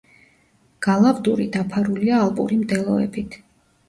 გალავდური დაფარულია ალპური მდელოებით.